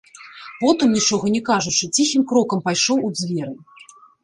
Потым, нічога не кажучы, ціхім крокам пайшоў у дзверы.